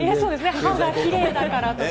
歯がきれいだからとか。